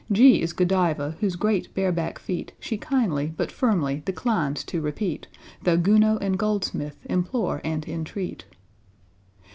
=G= is =G=odiva, whose great bareback feat She kindly but firmly declines to repeat, Though =G=ounod and =G=oldsmith implore and entreat.